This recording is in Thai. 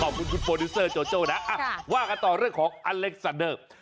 ขอบคุณคุณโปรดิวเซอร์โจโจ้นะว่ากันต่อเรื่องของอเล็กซันเดอร์